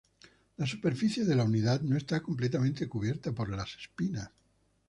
La superficie de la unidad no está completamente cubierta por las espinas.